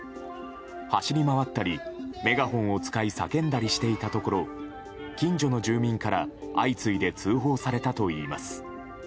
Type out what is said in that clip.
走り回ったりメガホンを使い叫んだりしていたところ近所の住民から相次いで通報されたといいます。